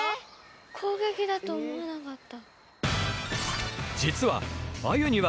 攻撃だと思わなかった。